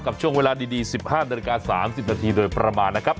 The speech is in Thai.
กับช่วงเวลาดีดีสิบห้านนาฬิกาสามสิบนาทีโดยประมาณนะครับ